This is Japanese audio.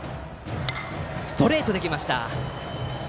ストレートで来ました。